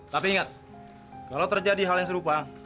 tapi ingat kalau terjadi hal yang serupa